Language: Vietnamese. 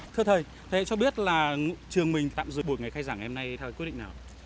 thưa thầy thế hệ cho biết là trường mình tạm dừng buổi ngày khai giảng ngày hôm nay theo quyết định nào